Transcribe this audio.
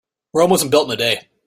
Rome wasn't built in a day.